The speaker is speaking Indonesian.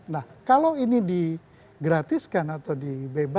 nah kalau ini digratiskan atau dibebaskan